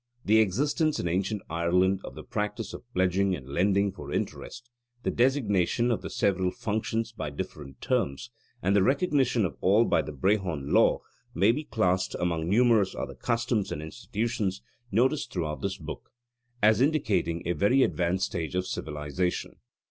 The existence in ancient Ireland of the practice of pledging and lending for interest, the designation of the several functions by different terms, and the recognition of all by the Brehon Law, may be classed, among numerous other customs and institutions noticed throughout this book, as indicating a very advanced stage of civilisation.